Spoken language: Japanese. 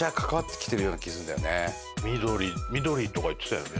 緑緑とか言ってたよね。